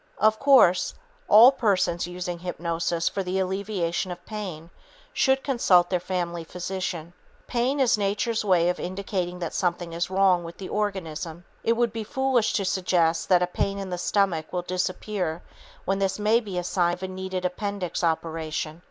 Of course, all persons using hypnosis for the alleviation of pain should consult their family physician. Pain is nature's way of indicating that something is wrong with the organism. It would be foolish to suggest that a pain in the stomach will disappear when this may be a sign of a needed appendix operation.